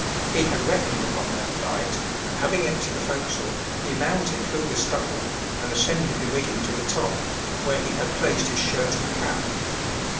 He had reckoned upon their flight, and having emptied the forecastle, he mounted through the scuttle, and ascended the rigging to the top, where he had placed his shirt and cap.